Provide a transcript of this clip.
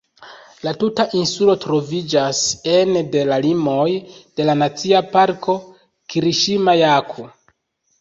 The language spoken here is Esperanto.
La tuta insulo troviĝas ene de la limoj de la Nacia Parko "Kiriŝima-Jaku".